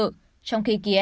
trong khi kiev đang nguy hiểm